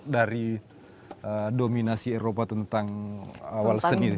dari dominasi eropa tentang awal seni